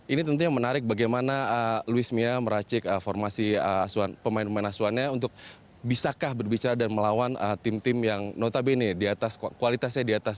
ini tentunya menarik bagaimana louis mia meracik formasi pemain pemain asuhannya untuk bisakah berbicara dan melawan tim tim yang notabene di atas kualitasnya di atas